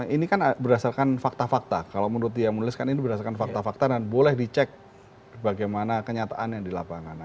ini kan berdasarkan fakta fakta kalau menurut dia menuliskan ini berdasarkan fakta fakta dan boleh dicek bagaimana kenyataan yang di lapangan